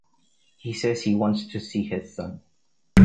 He says he wants to see his son.